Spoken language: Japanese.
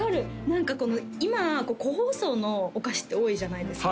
何か今個包装のお菓子って多いじゃないですか？